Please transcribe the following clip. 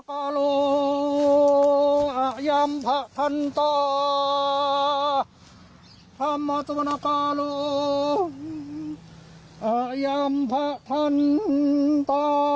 อัยัมพะท่านต่อทำมาตุปนการุอัยัมพะท่านต่อ